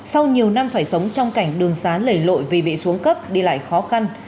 sau nhiều năm phải sống trong cảnh đường sán lể lội vì bị xuống cấp đi lại khó khăn